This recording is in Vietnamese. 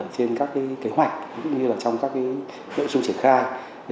trên các kế hoạch cũng như trong các nội dung triển khai